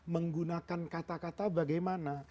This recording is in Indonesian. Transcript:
menggunakan kata kata bagaimana